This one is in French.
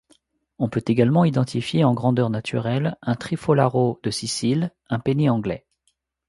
On peut également identifier en grandeur naturelle un trifollaro de Sicile, un penny anglais.